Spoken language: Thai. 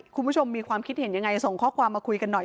คุณผู้ชมมีความคิดเห็นยังไงส่งข้อความมาคุยกันหน่อย